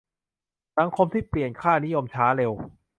สังคมที่เปลี่ยนค่านิยมช้าเร็ว